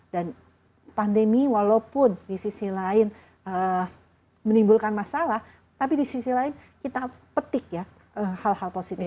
dan pandemi walaupun di sisi lain menimbulkan masalah tapi di sisi lain kita petik ya hal hal positifnya